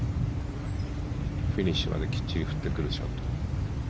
フィニッシュまできっちり振ってくるショット。